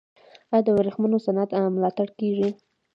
آیا د ورېښمو صنعت ملاتړ کیږي؟